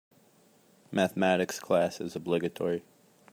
Mathematics class is obligatory.